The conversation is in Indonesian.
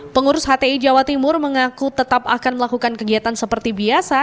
pengurus hti jawa timur mengaku tetap akan melakukan kegiatan seperti biasa